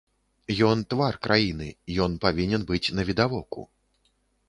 Ён твар краіны, ён павінен быць навідавоку.